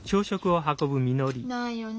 ないよな。